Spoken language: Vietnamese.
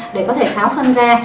để có thể tháo phân ra